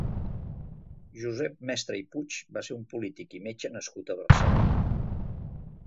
Josep Mestre i Puig va ser un polític i metge nascut a Barcelona.